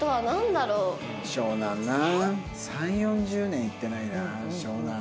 ３０４０年行ってないな湘南。